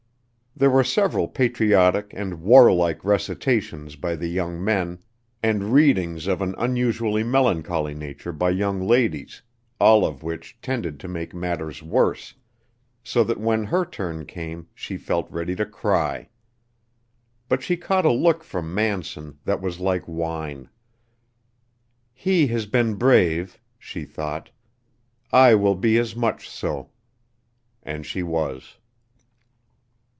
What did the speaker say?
There were several patriotic and warlike recitations by the young men, and readings of an unusually melancholy nature by young ladies, all of which tended to make matters worse, so that when her turn came she felt ready to cry. But she caught a look from Manson that was like wine. "He has been brave," she thought; "I will be as much so" and she was.